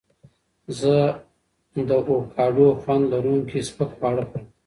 زه د اوکاډو خوند لرونکي سپک خواړه خوړم.